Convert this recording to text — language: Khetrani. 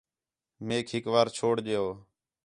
میک ہِک وار چھوڑ ݙیؤ